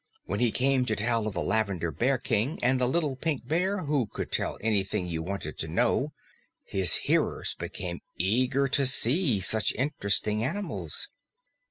When he came to tell of the Lavender Bear King and of the Little Pink Bear who could tell anything you wanted to know, his hearers became eager to see such interesting animals.